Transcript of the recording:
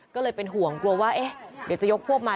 ก็เลยเป็นห่วงกลัวว่าเอ๊ะเดี๋ยวจะยกพวกมา